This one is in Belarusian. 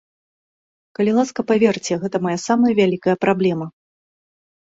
Калі ласка, паверце, гэта мая самая вялікая праблема.